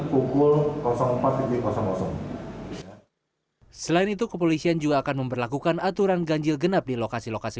pukul empat selain itu kepolisian juga akan memperlakukan aturan ganjil genap di lokasi lokasi